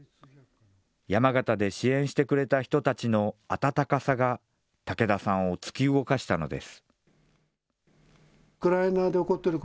山形で支援してくれた人たちの温かさが、武田さんを突き動かしたのです。